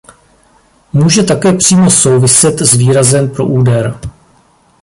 Může také přímo souviset s výrazem pro úder.